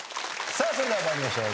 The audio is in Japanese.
それでは参りましょう。